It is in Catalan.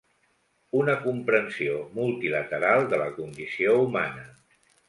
Una comprensió multilateral de la condició humana.